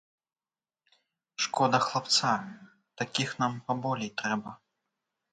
Шкода хлапца, такіх нам паболей трэба.